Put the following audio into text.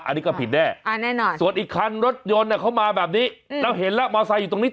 อันนี้ก็ผิดแน่ส่วนอีกคันรถยนต์เขามาแบบนี้แล้วเห็นแล้วมอไซค์อยู่ตรงนี้